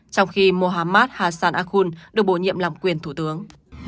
trong khi mohammad hassan akhul được bổ nhiệm làm quyền thủ tướng